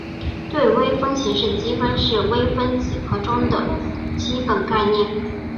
对微分形式的积分是微分几何中的基本概念。